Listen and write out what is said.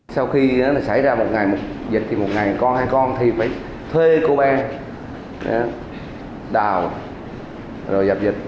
sau khi xảy ra một ngày dịch thì một ngày con hay con thì phải thuê cô ba đào rồi dập dịch